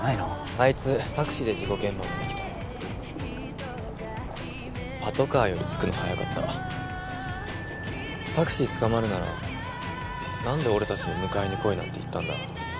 あいつタクシーで事故現場まで来たパトカーより着くの早かったタクシー捕まるなら何で俺達に迎えに来いなんて言ったんだ？